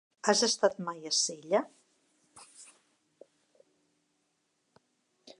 Has estat mai a Sella?